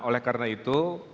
oleh karena itu